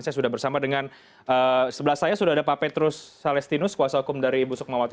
saya sudah bersama dengan sebelah saya sudah ada pak petrus salestinus kuasa hukum dari ibu sukmawati